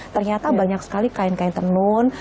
ternyata banyak sekali kain kain tenun